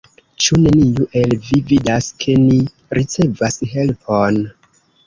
Ĉu neniu el vi vidas, ke ni ricevas helpon?